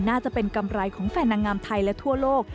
น่าจะเป็นกำไรของแฟนนางงามไทยและทั่วโลก